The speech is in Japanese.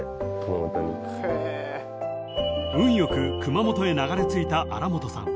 ［運よく熊本へ流れ着いた新本さん］